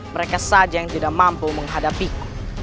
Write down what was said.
mereka saja yang tidak mampu menghadapiku